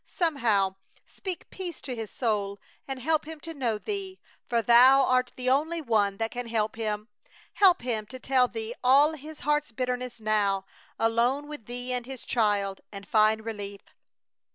Somehow speak peace to his soul and help him to know Thee, for Thou art the only One that can help him. Help him to tell Thee all his heart's bitterness now, alone with Thee and his little child, and find relief."